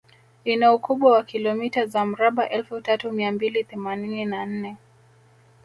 Ina ukubwa wa kilomita za mraba Elfu tatu mia mbili themanini na nne